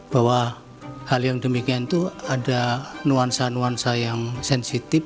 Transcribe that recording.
bahwa hal yang demikian itu ada nuansa nuansa yang sensitif